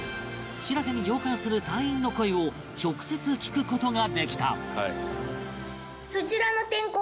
「しらせ」に乗艦する隊員の声を直接聞く事ができた